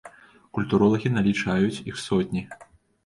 Культуролагі налічаюць іх сотні.